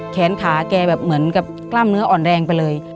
แขนขาแกแบบเหมือนกับกล้ามเนื้ออ่อนแรงไปเลย